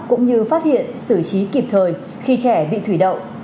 cũng như phát hiện xử trí kịp thời khi trẻ bị thủy đậu